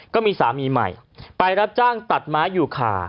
ก็มีสามีใหม่ไปรับจ้างตัดไม้อยู่ค่ะ